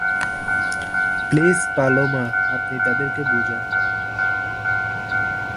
Please Paloma, আপনি তাদেরকে বুঝান।